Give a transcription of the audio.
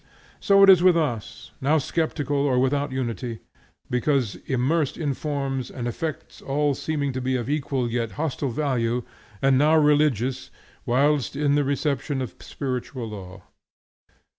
So is it with us, now skeptical or without unity, because immersed in forms and effects all seeming to be of equal yet hostile value, and now religious, whilst in the reception of spiritual law.